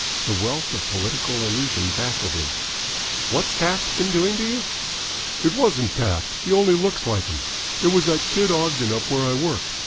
The wealth of political allusion baffled him. "What's Taft been doing to you?" "It wasn't Taft. He only looks like him. It was that kid Ogden up where I work.